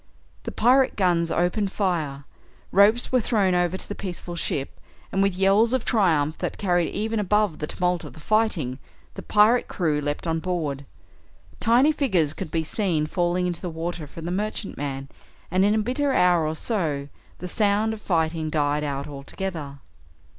The pirate guns opened fire, ropes were thrown over to the peaceful ship, and with yells of triumph that carried even above the tumult of the fighting, the pirate crew leapt on board. Tiny figures could be seen falling into the water from the merchantman, and in a bitter hour or so the sound of fighting died out altogether.